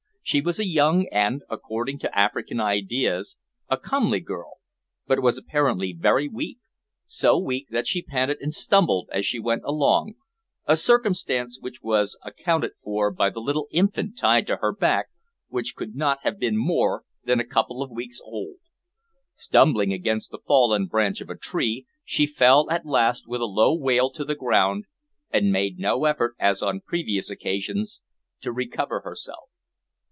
She was a young and, according to African ideas, a comely girl, but was apparently very weak so weak that she panted and stumbled as she went along, a circumstance which was accounted for by the little infant tied to her back, which could not have been more than a couple of weeks old. Stumbling against the fallen branch of a tree, she fell at last with a low wail to the ground, and made no effort, as on previous occasions, to recover herself.